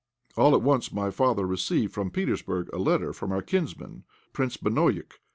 All at once my father received from Petersburg a letter from our kinsman, Prince Banojik.